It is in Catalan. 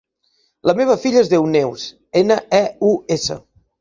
La meva filla es diu Neus: ena, e, u, essa.